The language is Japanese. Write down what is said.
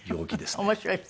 面白い人。